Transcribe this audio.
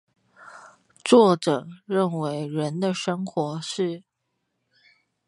作者認為人的生活是